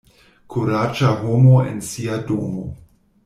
Kuraĝa homo en sia domo.